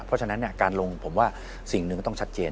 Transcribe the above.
เพราะฉะนั้นเนี่ยการลงผมว่าสิ่งนึงต้องชัดเจน